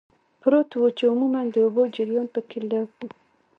پروت و، چې عموماً د اوبو جریان پکې لږ و.